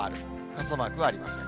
傘マークはありません。